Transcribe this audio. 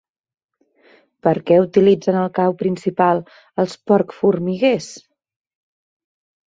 Per què utilitzen el cau principal els porc formiguers?